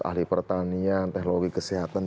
ahli pertanian teknologi kesehatan